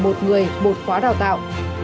một người bột khóa đảo tạo